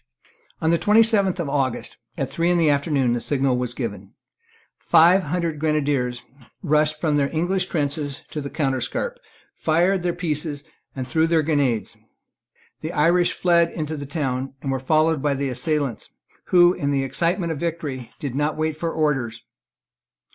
On the twenty seventh of August, at three in the afternoon, the signal was given. Five hundred grenadiers rushed from the English trenches to the counterscarp, fired their pieces, and threw their grenades. The Irish fled into the town, and were followed by the assailants, who, in the excitement of victory, did not wait for orders.